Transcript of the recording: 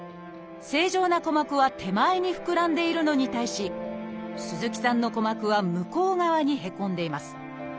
正常な鼓膜は手前に膨らんでいるのに対し鈴木さんの鼓膜は向こう側にへこんでいます。